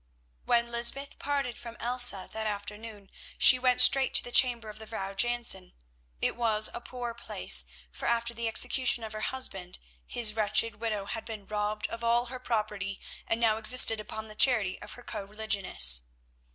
When Lysbeth parted from Elsa that afternoon she went straight to the chamber of the Vrouw Jansen. It was a poor place, for after the execution of her husband his wretched widow had been robbed of all her property and now existed upon the charity of her co religionists.